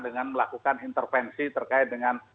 dengan melakukan intervensi terkait dengan